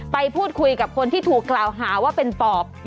ไปพูดคุยกับคนที่ถูกกล่าวหาว่าเป็นปอบ